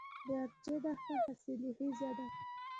د ارچي دښته حاصلخیزه ده